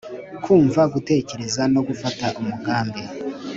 kumva, gutekereza no gufata umugambi